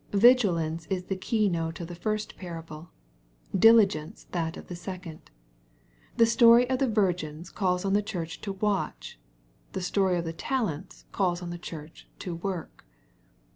Vigilance is the key note of the first parable, diligence that of the second. The story of the virgins calls on the Church to watch, the story of the talents calls on the Church to work.